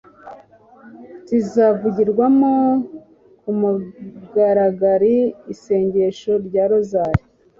zizavugirwamo ku mugaragari isengesho rya rozali »